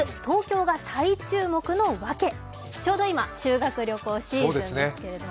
ちょうど今、修学旅行シーズンですけれども。